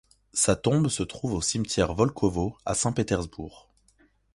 Sa tombe se trouve au cimetière Volkovo à Saint-Pétersbourg.